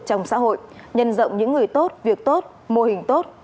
trong xã hội nhân rộng những người tốt việc tốt mô hình tốt